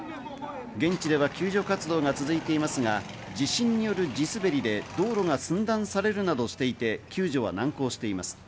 現地では救助活動が続いていますが、地震による地滑りで道路が寸断されるなどしていて、救助は難航しています。